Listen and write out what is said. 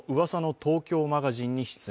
東京マガジン」に出演。